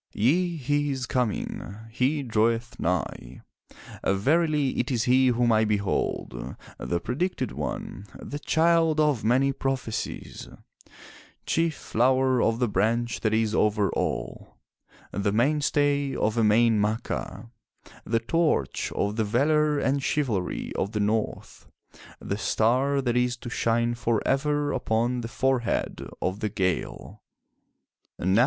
''Yea, he is coming; he draweth nigh. Verily it is he whom I behold — The predicted one — the child of many prophecies— Chief flower of the Branch that is over all, The mainstay of E'main Ma'cha, The torch of the valor and chivalry of the North, The star that is to shine forever upon the forehead of the Gael" * Stronghold usually on a hill.